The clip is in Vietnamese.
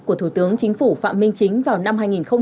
của thủ tướng chính phủ phạm minh chính vào năm hai nghìn hai mươi